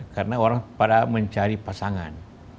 karena orang pada mencari pasangan